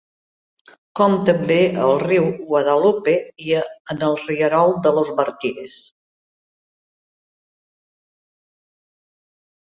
Com també al riu Guadalupe i en el rierol de Los Martires.